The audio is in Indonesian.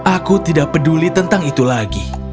aku tidak peduli tentang itu lagi